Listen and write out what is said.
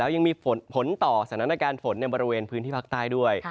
ยังมีผลต่อสถานการณ์ฝนในบริเวณพื้นที่ภาคใต้ด้วย